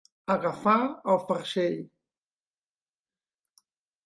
Agafar el farcell.